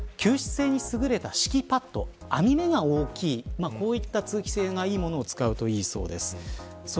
あとは吸湿性に優れた敷きパッド網目が大きい、こういった通気性がいいものを使うといいそうです。